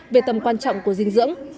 về tầm quan trọng của dinh dưỡng